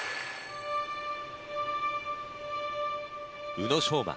宇野昌磨